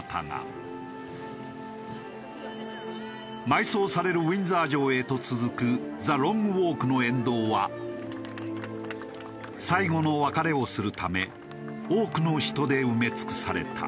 埋葬されるウィンザー城へと続くザ・ロング・ウォークの沿道は最後の別れをするため多くの人で埋め尽くされた。